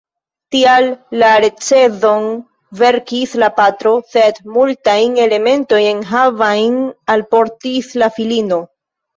Tial la recenzon verkis la patro, sed multajn elementojn enhavajn alportis la filino.